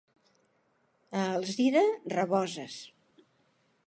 A Alzira, raboses.